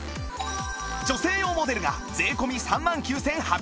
女性用モデルが税込３万９８００円